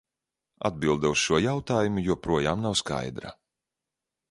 Atbilde uz šo jautājumu joprojām nav skaidra.